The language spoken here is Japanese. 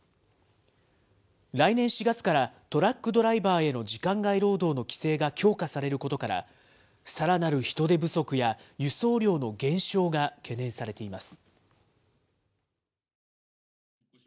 来年４月からトラックドライバーへの時間外労働の規制が強化されることから、さらなる人手不足や輸送量の減少が懸念されています。